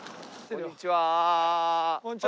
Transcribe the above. こんにちは。